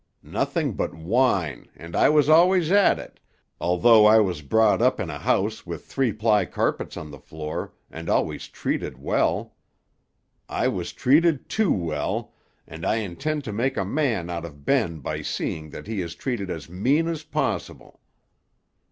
Nothing but whine, and I was always at it, although I was brought up in a house with three ply carpets on the floor, and always treated well. I was treated too well, and I intend to make a man out of Ben by seeing that he is treated as mean as possible.